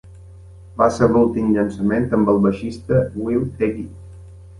Va ser l'últim llançament amb el baixista Will Heggie.